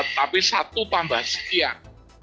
tapi satu tambah sekian